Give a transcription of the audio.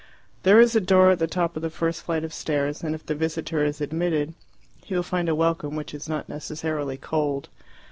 There is a door at the top of the first flight of stairs, and if the visitor is admitted he will find a welcome which is not necessarily cold.